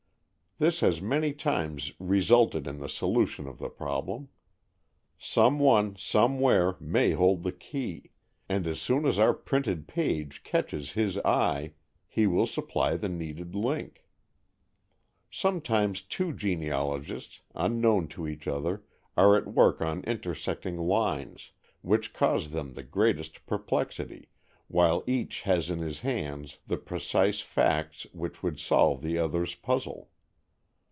This has many times resulted in the solution of the problem. Some one, somewhere, may hold the key, and as soon as our printed page catches his eye he will supply the needed link. Sometimes two genealogists, unknown to each other, are at work on intersecting lines, which cause them the greatest perplexity, while each has in his hands the precise facts which would solve the other's puzzle.